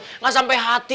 tuh gak sampai hati